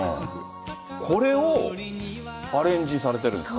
これをアレンジされてるんですか？